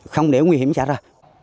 không để nguy hiểm xảy ra